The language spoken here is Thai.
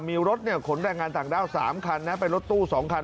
มีรถขนแรงงานต่างด้าว๓คันนะเป็นรถตู้๒คัน